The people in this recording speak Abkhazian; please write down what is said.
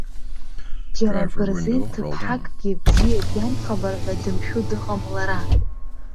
Џьара бырзен ҭыԥҳакгьы бзиа диамхабар ҳәа дымшәо дыҟам лара.